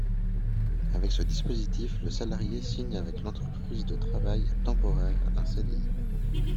Avec ce dispositif, le salarié signe avec l’entreprise de travail temporaire un CDI.